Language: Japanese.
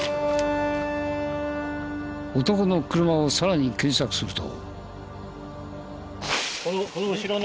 男の車をさらに検索すると。